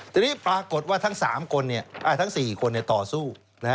ทีนี้ปรากฏว่าทั้ง๓คนเนี่ยทั้ง๔คนเนี่ยต่อสู้